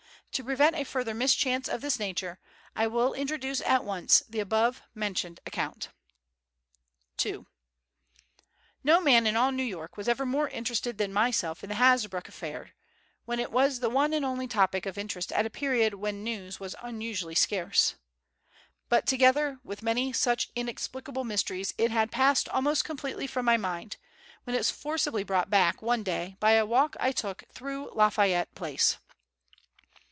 To prevent a further mischance of this nature, I will introduce at once the above mentioned account. II No man in all New York was ever more interested than myself in the Hasbrouck affair, when it was the one and only topic of interest at a period when news was unusually scarce. But, together with many such inexplicable mysteries, it had passed almost completely from my mind, when it was forcibly brought back, one day, by a walk I took through Lafayette Place.